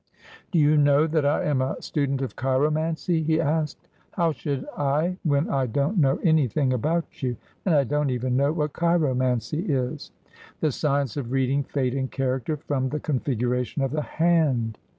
' Do you know that I am a student of chiromancy ?' he asked. 'How should I, when I don't know anything about you? And I don't even know what chiromancy is.' ' The science of reading fate and character from the con figuration of the hand.'